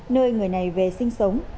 nơi người này về sinh sống